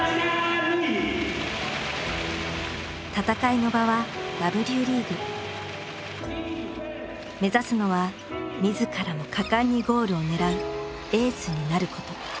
戦いの場は目指すのは自らも果敢にゴールを狙うエースになること。